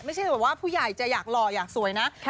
ไม่ใช่แบบว่าผู้ใหญ่จะอยากหล่ออยากสวยนะ